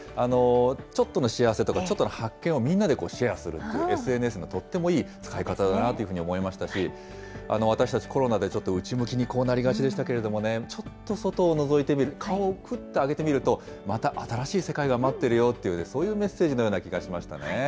ちょっとの幸せとかちょっとの発見をみんなでシェアするっていう、ＳＮＳのとってもいい使い方だなというふうに思いましたし、私たち、コロナでちょっと内向きに、こうなりがちでしたけど、ちょっと外をのぞいてみる、顔をふっと上げてみるとまた新しい世界が待ってるよっていう、そういうメッセージのような気がしましたね。